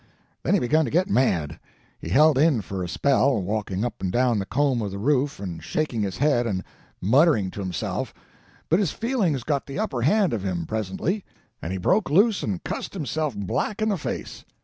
Then he begun to get mad. He held in for a spell, walking up and down the comb of the roof and shaking his head and muttering to himself; but his feelings got the upper hand of him, presently, and he broke loose and cussed himself black in the face.